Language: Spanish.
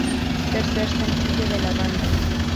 Tercer sencillo de la banda.